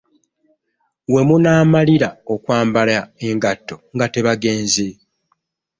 We munaamalira okwambala engatto nga tebagenze?